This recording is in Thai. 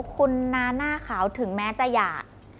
คุณนาหน้าขาวถึงแม้จะหย่า